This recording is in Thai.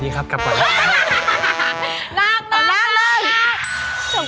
เพราะกระจายกันแรงยังเยอะแรง